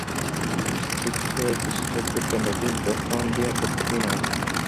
মস্তিষ্কের দৃষ্টিশক্তির কেন্দ্রটিই দর্শনেন্দ্রিয়, চক্ষুটি নয়।